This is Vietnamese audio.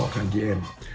các anh chị em